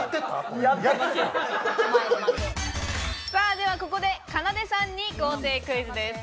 ではここで、かなでさんに豪邸クイズです。